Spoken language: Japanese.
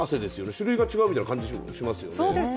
種類が違うみたいな感じしますよね。